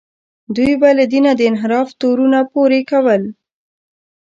دوی به له دینه د انحراف تورونه پورې کول.